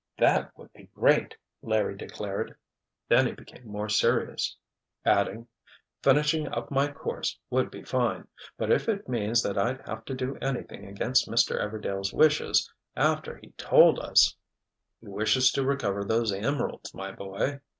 "That would be great!" Larry declared. Then he became more serious, adding. "Finishing up my course would be fine, but if it means that I'd have to do anything against Mr. Everdail's wishes, after he told us——" "He wishes to recover those emeralds, my boy."